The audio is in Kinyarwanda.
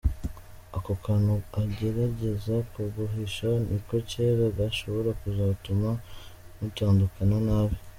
Ako kantu agerageza kuguhisha niko cyera gashobora kuzatuma mutandukana nabi.